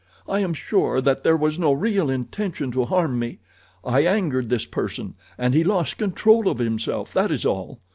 I am sure that there was no real intention to harm me. I angered this person, and he lost control of himself, that is all.